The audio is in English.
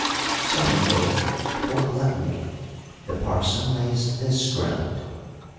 Secondly, for gluttony, the parson lays this ground.